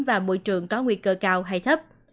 và môi trường có nguy cơ cao hay thấp